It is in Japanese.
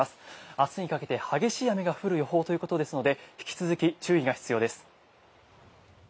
明日にかけて激しい雨が降る予報ということですので引き続き注意が必要です。